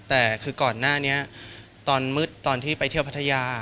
แต่คือก่อนหน้านี้ตอนมืดตอนที่ไปเที่ยวพัทยา